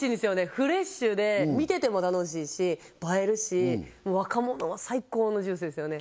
フレッシュで見てても楽しいし映えるしもう若者は最高のジュースですよね